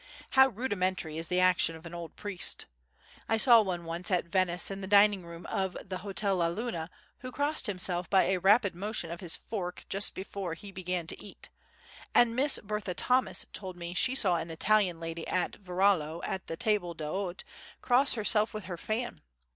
How rudimentary is the action of an old priest! I saw one once at Venice in the dining room of the Hotel la Luna who crossed himself by a rapid motion of his fork just before he began to eat, and Miss Bertha Thomas told me she saw an Italian lady at Varallo at the table d'hôte cross herself with her fan.